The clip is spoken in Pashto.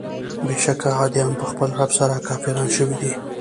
بېشکه عادیان په خپل رب سره کافران شوي دي.